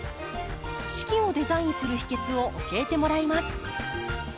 四季をデザインする秘けつを教えてもらいます。